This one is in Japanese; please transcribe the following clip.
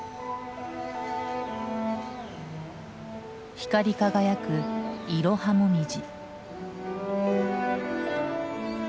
光り輝くイロハモミジ。